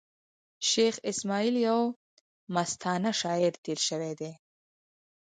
شېخ اسماعیل یو مستانه شاعر تېر سوﺉ دﺉ.